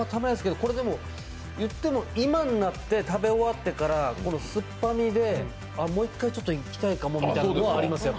でも、いっても今になって食べ終わってからこの酸っぱみで、もう一回いきたいかもというのがあります。